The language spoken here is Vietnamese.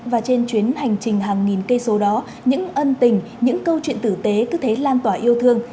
và trên chuyến hành trình hàng nghìn cây số đó những ân tình những câu chuyện tử tế cứ thấy lan tỏa yêu thương